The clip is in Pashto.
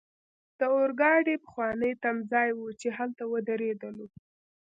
د اورګاډي پخوانی تمځای وو، چې هلته ودریدلو.